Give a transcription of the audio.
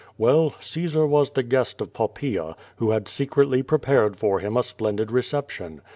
Well, Caesar was the guest of Poppaea, who had secretly prepared for him a splendid reception.